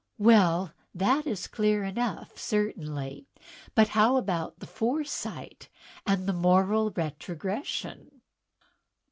"Well, that is clear enough, certainly. But how about the fore sight and the moral retrogression?"